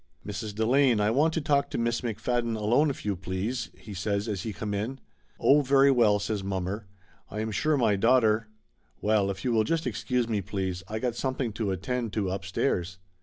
"Mrs. Delane, I want to talk to Miss McFadden alone, if you please," he says as he come in. "Oh, very well!" says mommer. "I am sure my 219 220 Laughter Limited daugh ter Well, if you will just excuse me, please, I got something to attend to upstairs!"